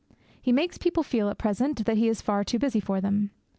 He makes people feel at present that he is too busy for them.